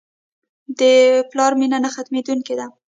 د پلار مینه نه ختمېدونکې ده.